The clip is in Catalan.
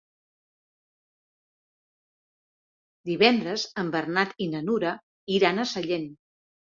Divendres en Bernat i na Nura iran a Sellent.